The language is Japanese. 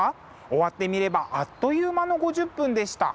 終わってみればあっという間の５０分でした。